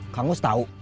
kang mus tau